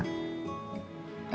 dan dingin banget